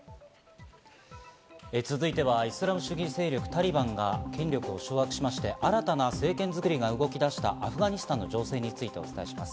続いてはイスラム主義勢力・タリバンが権力を掌握しまして、新たな政権づくりが動き出したアフガニスタンの情勢についてお伝えします。